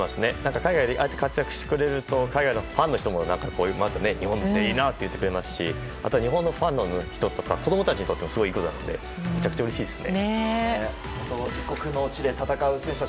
海外で活躍してくれると海外のファンの人も日本っていいなって言ってくれますしあとは日本のファンの人とか子供たちにとってもすごいいいことなのでめちゃくちゃうれしいですね。